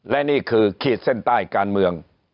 และนี่คือขีดเส้นใต้การเมือง